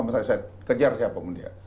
saya kejar siapa pun dia